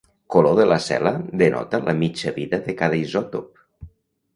Color de la cel·la denota la mitja vida de cada isòtop.